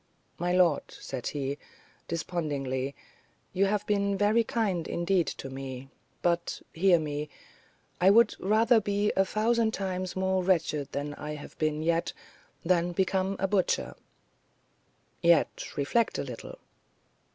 "My lord," said he, despondingly, "you have been very kind, indeed, to me; but, hear me: I would rather be a thousand times more wretched than I have yet been than become a butcher." "Yet reflect a little."